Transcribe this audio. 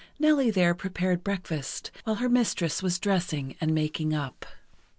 Nellie there prepared breakfast while her mistress was dressing and making up.